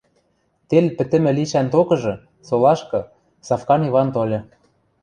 Тел пӹтӹмӹ лишӓн токыжы, солашкы, Савкан Иван тольы.